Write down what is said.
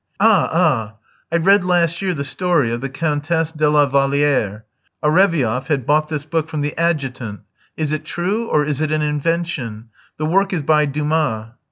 "Ah, ah! I read last year the story of the Countess de la Vallière. Arevieff had bought this book from the Adjutant. Is it true or is it an invention? The work is by Dumas."